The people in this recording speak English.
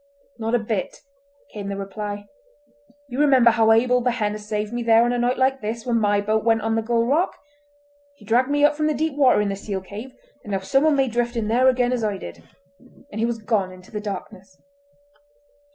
"Not a bit," came the reply. "You remember how Abel Behenna saved me there on a night like this when my boat went on the Gull Rock. He dragged me up from the deep water in the seal cave, and now someone may drift in there again as I did," and he was gone into the darkness.